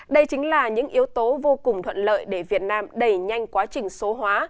đây chính là những yếu tố vô cùng thuận lợi để việt nam đẩy nhanh quá trình số hóa